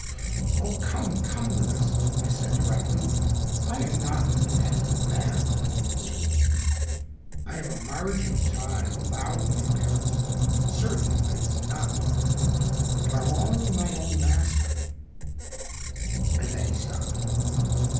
'Oh, come, come with us!' I said directly. 'I am not an independent man,' he answered; 'I have a margin of time allowed me at Paris, certainly, but it is not long if I were only my own master ' and then he stopped.